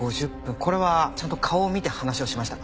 これはちゃんと顔を見て話をしましたか？